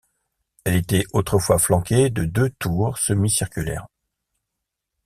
Elle était autrefois flanquée de deux tours semi-circulaires.